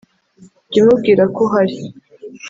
jya umubwira ko uhari,